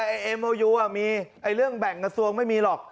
ไอ้เอโมยูมีเรื่องแบ่งกระทรวงไม่มีหรอก